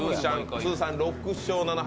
通算６勝７敗